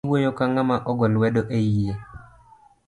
Iwuoyo ka ngama ogo lwedo eiye